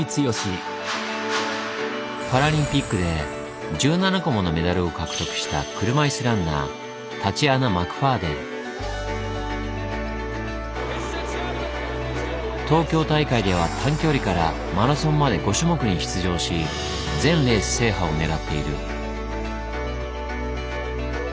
パラリンピックで１７個ものメダルを獲得した車いすランナー東京大会では短距離からマラソンまで５種目に出場し全レース制覇を狙っている。